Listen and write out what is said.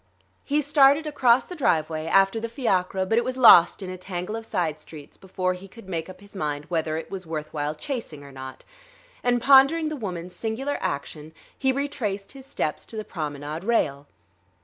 He started across the driveway, after the fiacre, but it was lost in a tangle of side streets before he could make up his mind whether it was worth while chasing or not; and, pondering the woman's singular action, he retraced his steps to the promenade rail.